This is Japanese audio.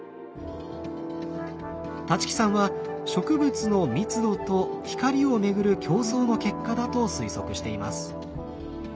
立木さんは植物の密度と光をめぐる競争の結果だと推測しています。